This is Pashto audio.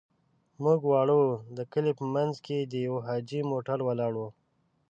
موږ واړه وو، د کلي په منځ کې د يوه حاجي موټر ولاړ و.